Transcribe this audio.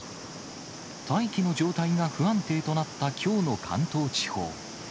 大気の状態が不安定となったきょうの関東地方。